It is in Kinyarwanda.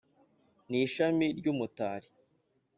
ni ishami ry’umutari